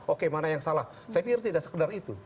oke mana yang salah saya pikir tidak sekedar itu